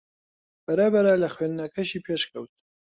بەرەبەرە لە خوێندنەکەشی پێشکەوت